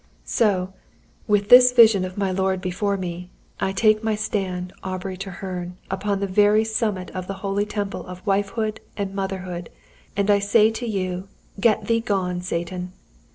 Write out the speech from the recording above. "So with this vision of my Lord before me I take my stand, Aubrey Treherne, upon the very summit of the holy temple of wifehood and motherhood, and I say to you: 'Get thee gone, Satan!'